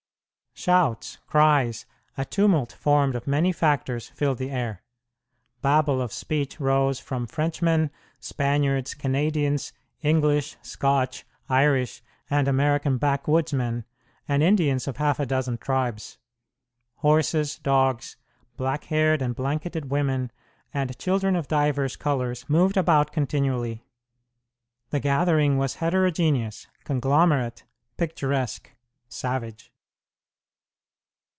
Shouts, cries, a tumult formed of many factors filled the air. Babel of speech rose from Frenchmen, Spaniards, Canadians, English, Scotch, Irish, and American backwoodsmen, and Indians of half a dozen tribes. Horses, dogs, black haired and blanketed women, and children of divers colors moved about continually. The gathering was heterogeneous, conglomerate, picturesque, savage.